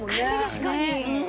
確かに。